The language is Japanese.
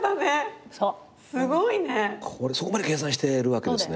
そこまで計算してるわけですね。